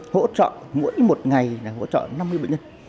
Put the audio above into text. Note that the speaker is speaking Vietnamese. hỗ trợ mỗi một ngày năm mươi bệnh nhân